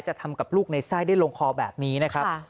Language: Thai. ทำกับลูกในไส้ได้ลงคอแบบนี้นะครับ